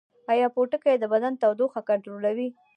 ایا پوټکی د بدن تودوخه کنټرولوي؟